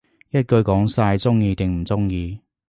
一句講晒，鍾意定唔鍾意